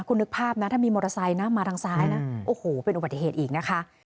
คุณนึกภาพนะถ้ามีมอเตอร์ไซค์นะมาทางซ้ายนะโอ้โหเป็นอุบัติเหตุอีกนะคะ